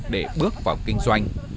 để bước vào kinh doanh